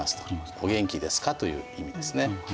お元気ですか？という意味ですね。